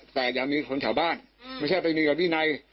แต่อย่ามีคนของชาวบ้านไม่ใช่มีกว่าบินาย